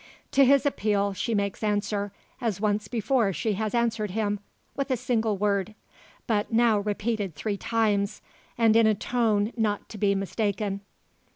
To his appeal she makes answer, as once before she has answered him with a single word. But now repeated three times, and in a tone not to be mistaken.